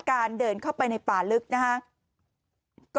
เดินเข้าไปในป่าลึกนะครับ